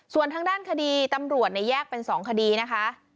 ส่วนทางด้านคดีตำรวจแยกเป็น๒คดีนะคะ